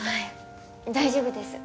大丈夫です